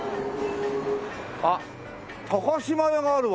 あっ島屋があるわ。